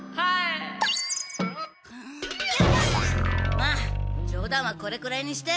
まあじょう談はこれくらいにして。